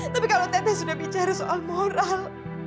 tapi kalau tete sudah bicara soal moral